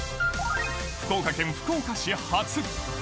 福岡県福岡市発。